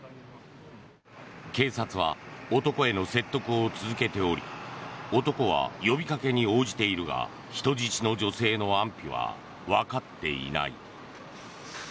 警察は、男への説得を続けており男は呼びかけに応じているが人質の女性の安否はわかっていない。